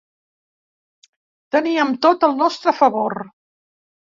Teníem tot al nostre favor.